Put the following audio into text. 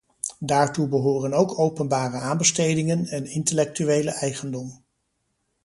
Daartoe behoren ook openbare aanbestedingen en intellectuele eigendom.